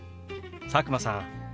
佐久間さん